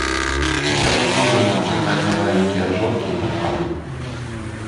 Уся напружанасць чакання лаянкі ад жонкі адпала.